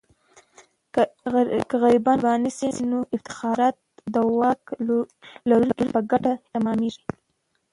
که غریبان قرباني سي، نو افتخارات د واک لرونکو په ګټه تمامیږي.